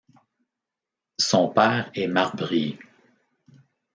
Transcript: Son père est marbrier.